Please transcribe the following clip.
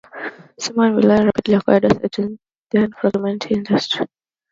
Simon DeBartolo rapidly acquired assets in the then-fragmented industry.